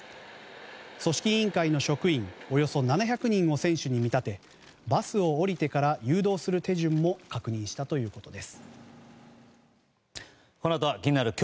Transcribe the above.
組織委員会の職員およそ７００人を選手に見立てバスを降りてから誘導する手順も確認したということです。